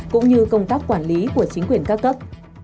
cũng như công tác quản lý của chính quyền cao cấp